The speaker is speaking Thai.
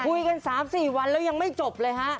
คุยกัน๓๔วันแล้วยังไม่จบเลยฮะ